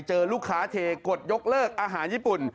เจอลูกค้าเทกดยกเลิกอาหารญี่ปุ่น